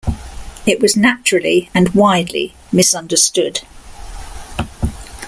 It was naturally and widely misunderstood.